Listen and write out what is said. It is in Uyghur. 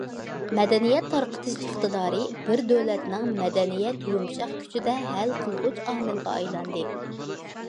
مەدەنىيەت تارقىتىش ئىقتىدارى بىر دۆلەتنىڭ مەدەنىيەت يۇمشاق كۈچىدە ھەل قىلغۇچ ئامىلغا ئايلاندى.